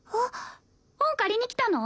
本借りに来たの？